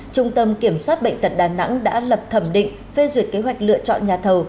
trung tâm kiểm soát bệnh tật đà nẵng đã lập thẩm định phê duyệt kế hoạch lựa chọn nhà thầu